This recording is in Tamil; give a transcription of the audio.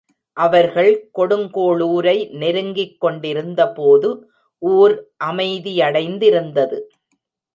அவர்கள் கொடுங்கோளுரை நெருங்கிக் கொண்டிருந்தபோது ஊர் அமைதியடைந்திருந்தது.